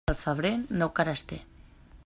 El febrer, nou cares té.